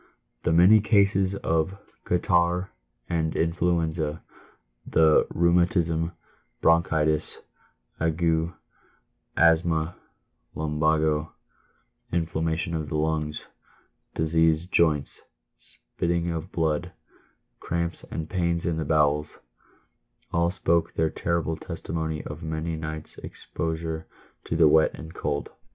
The many cases of "catarrh"" and "influenza," the "rheumatism," "bronchitis," "ague," "asthma," "lumbago," "in flammation of the lungs," "diseased joints," "spitting of blood," " cramps and pains in the bowels," all spoke their terrible testimony of many nights' exposure to the wet and cold.